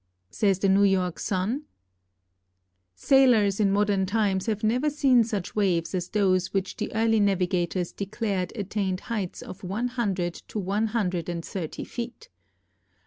Says the New York Sun: Sailors in modern times have never seen such waves as those which the early navigators declared attained heights of one hundred to one hundred and thirty feet.